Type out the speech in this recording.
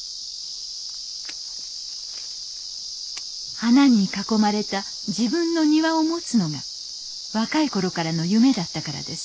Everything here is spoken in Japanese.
花に囲まれた自分の庭を持つのが若い頃からの夢だったからです